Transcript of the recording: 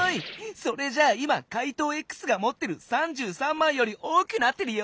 それじゃあ今怪盗Ｘがもってる３３まいより多くなってるよ！